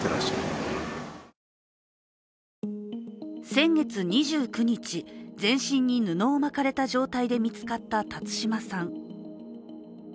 先月２９日、全身に布を巻かれた状態で見つかった辰島さん。